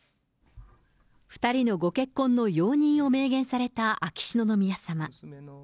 ２人のご結婚の容認を明言された秋篠宮さま。